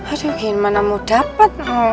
aduh gimana mau dapet